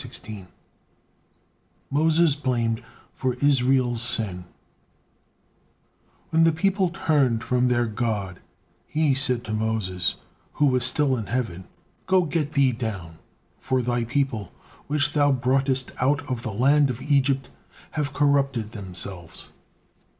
MOSES BLAMED FOR ISRAEL'S SIN When the people turned from their God, He said to Moses, who was still in heaven: "'Go, get thee down; for thy people, which thou broughtest out of the land of Egypt, have corrupted themselves.'"